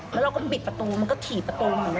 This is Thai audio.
แล้วเราก็บิดประตูมันก็ถี่ประตูเหมือน